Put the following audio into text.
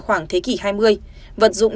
khoảng thế kỷ hai mươi vật dụng